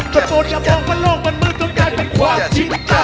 แต่โปรดอย่าบอกว่าโลกมันมืดต้องการเป็นความจินตา